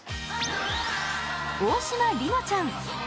大島璃乃ちゃん。